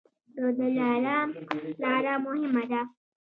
د دلارام لاره مهمه ده